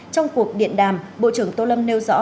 trong cuộc điện đàm bộ trưởng tô lâm nêu rõ